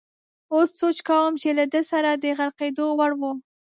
اوس سوچ کوم چې له ده سره د غرقېدو وړ وو.